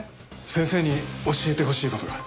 先生に教えてほしい事が。